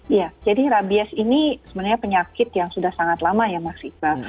iya jadi rabies ini sebenarnya penyakit yang sudah sangat lama ya mas iqbal